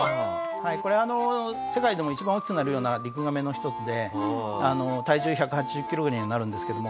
これ世界でも一番大きくなるようなリクガメの一つで体重１８０キロぐらいにはなるんですけども。